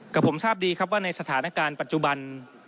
กับผมทราบดีครับว่าในสถานการณ์ปัจจุบัน